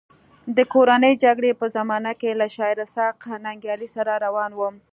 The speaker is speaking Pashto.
د کورنۍ جګړې په زمانه کې له شاعر اسحق ننګیال سره روان وم.